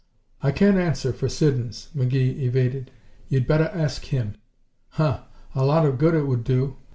"I can't answer for Siddons," McGee evaded. "You'd better ask him." "Huh! A lot of good it would do.